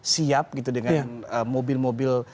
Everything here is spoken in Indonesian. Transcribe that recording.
siap gitu dengan mobil mobil